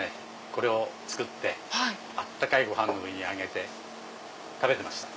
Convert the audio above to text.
これを作って温かいご飯の上に上げて食べてました。